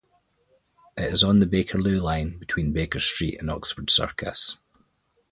It is on the Bakerloo line, between Baker Street and Oxford Circus.